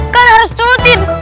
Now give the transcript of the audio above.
kan harus turutin